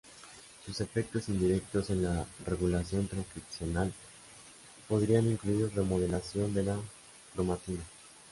Sus efectos indirectos en la regulación transcripcional podrían incluir remodelación de la cromatina.